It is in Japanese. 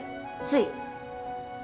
つい。